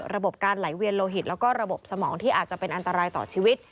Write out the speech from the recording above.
ระบบการไหลเวียนโลหิตแล้วก็ระบบสมองที่อาจจะเป็นอันตรายต่อชีวิต